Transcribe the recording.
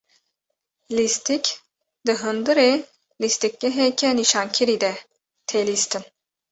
Lîstik di hundirê lîstikgeheke nîşankirî de, tê lîstin.